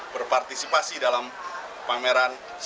berpartisipasi dalam pameran ini